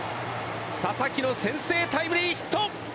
佐々木の先制タイムリーヒット！